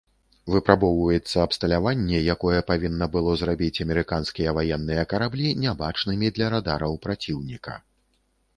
Выпрабоўваецца абсталяванне, якое павінна было зрабіць амерыканскія ваенныя караблі нябачнымі для радараў праціўніка.